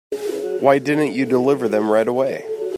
Why didn't you deliver them right away?